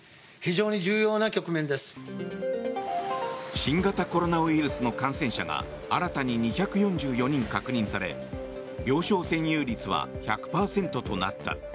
新型コロナウイルスの感染者が新たに２４４人確認され病床占有率は１００％となった。